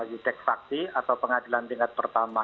detek fakti atau pengadilan tingkat pertama